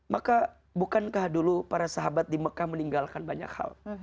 maka bukankah dulu para sahabat di mekah meninggalkan banyak hal